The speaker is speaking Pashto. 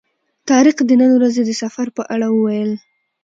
طارق د نن ورځې د سفر په اړه وویل.